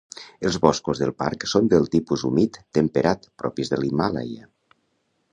Els boscos del parc són del tipus humit temperat, propis de l'Himàlaia.